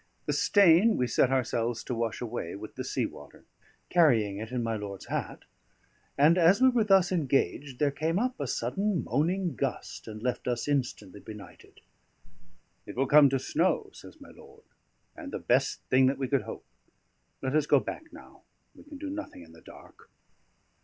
The stain we set ourselves to wash away with the sea water, carrying it in my lord's hat; and as we were thus engaged there came up a sudden moaning gust and left us instantly benighted. "It will come to snow," says my lord; "and the best thing that we could hope. Let us go back now; we can do nothing in the dark."